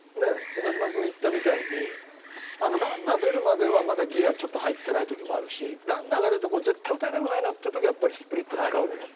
岡島君言ったみたいにランナー出るまではまだギアちょっと入ってない時もあるしランナーが出て絶対打たれたくないなっていう時はやっぱりスプリット使うよね。